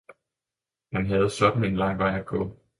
Han havde sådan en lang vej at gå.